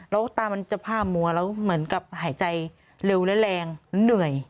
แล้วตามันจะผ้ามัวแล้วเหมือนกับหายใจเร็วและแรงเหนื่อย